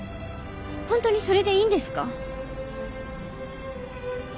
本当にそれでいいんですか？